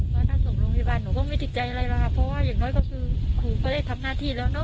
พอท่านส่งโรงพยาบาลหนูก็ไม่ติดใจอะไรแล้วค่ะเพราะว่าอย่างน้อยก็คือครูก็ได้ทำหน้าที่แล้วเนอ